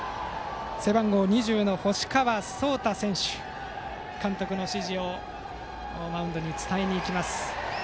背番号２０の干川颯大選手が監督の指示をマウンドに伝えに行きました。